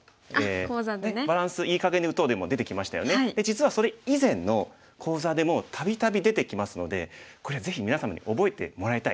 実はそれ以前の講座でもたびたび出てきますのでこれぜひ皆様に覚えてもらいたい。